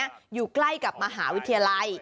อยู่ใกล้กับมหาวิทยาลัย